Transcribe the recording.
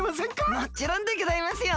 もちろんでギョざいますよ！